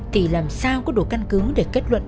thì làm sao có đủ căn cứ để kết luận